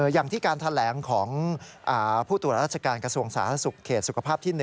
อย่างที่การแถลงของผู้ตัวรัชกาลกระทรวงศาสตร์ศักดิ์สุขภาพที่๑